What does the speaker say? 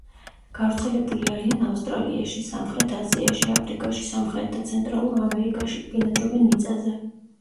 გავრცელებული არიან ავსტრალიაში, სამხრეთ აზიაში, აფრიკაში, სამხრეთ და ცენტრალურ ამერიკაში, ბინადრობენ მიწაზე.